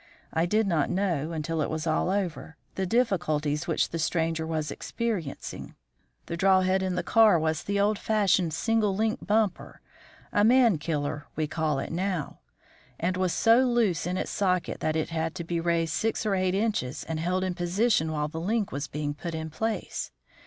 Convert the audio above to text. I did not know, until all was over, the difficulties which the stranger was experiencing. The drawhead in the car was the old fashioned single link bumper, a man killer we call it now, and was so loose in its socket that it had to be raised six or eight inches and held in position while the link was being put in place.